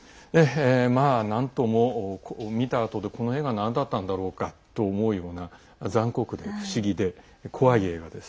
なんとも、見たあとでこの映画なんだったんだろうかと思うような残酷で不思議で、怖い映画です。